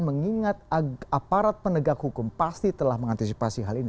mengingat aparat penegak hukum pasti telah mengantisipasi hal ini